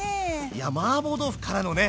いやマーボー豆腐からのねうん。